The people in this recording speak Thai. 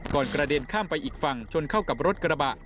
กระเด็นข้ามไปอีกฝั่งชนเข้ากับรถกระบะ